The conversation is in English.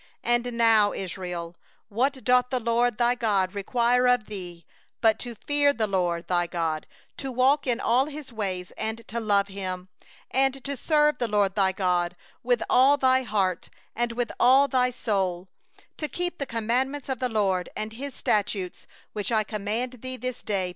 12And now, Israel, what doth the LORD thy God require of thee, but to fear the LORD thy God, to walk in all His ways, and to love Him, and to serve the LORD thy God with all thy heart and with all thy soul; 13to keep for thy good the commandments of the LORD, and His statutes, which I command thee this day?